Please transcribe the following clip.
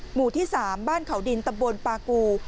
หมู่ที่๓บ้านเขาดินตำบลปากู